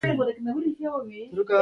غږ د زړه نغمه ده